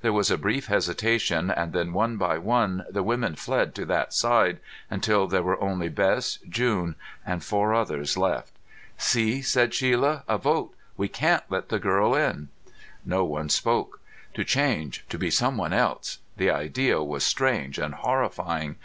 There was a brief hesitation, and then, one by one, the women fled to that side, until there were only Bess, June and four others left. "See!" cried Shelia. "A vote! We can't let the girl in!" No one spoke. To change, to be someone else the idea was strange and horrifying.